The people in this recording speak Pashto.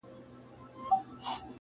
په کټ کټ به په خندا سي-